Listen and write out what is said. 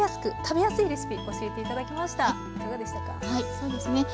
そうですね。